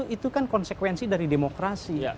itu kan konsekuensi dari demokrasi